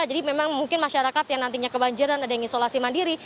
jadi memang mungkin masyarakat yang nantinya kebanjiran ada yang isolasi mandiri